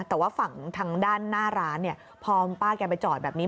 แต่ว่าฝั่งทางด้านหน้าร้านเนี่ยพอป้าแกไปจอดแบบนี้